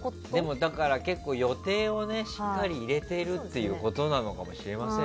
だから、予定をしっかり入れているということなのかもしれませんね。